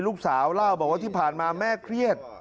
ลูกสาวเล่าบอกว่าที่ผ่านมาแม่เครียด